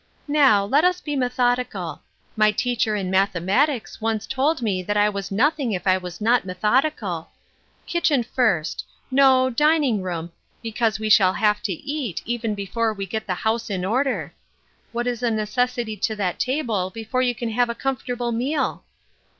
" Now, let us be methodical. My teacher in mathemat ics once told me that I was nothing if I was not methodical. Kitchen first — no, dining room, because we shall have to eat even before we get the house in order. What is a necessity to that table before you can have a comfortable meal